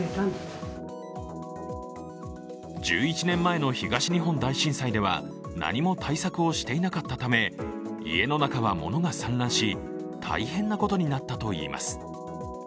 １１年前の東日本大震災では何も対策をしていなかったため家の中は物が散乱し、大変なことになったといいます。